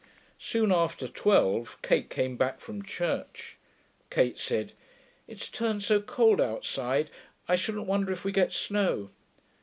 Soon after twelve Kate came back from church. Kate said, 'It's turned so cold outside, I shouldn't wonder if we get snow....